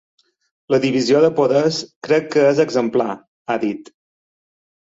La divisió de poders crec que és exemplar, ha dit.